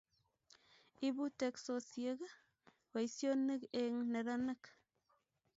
Ibu teksosiek boisionik eng neranik